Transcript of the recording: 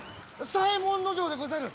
左衛門尉でござる！